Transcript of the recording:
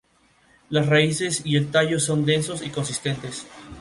Las raíces y el tallo son densos y consistentes.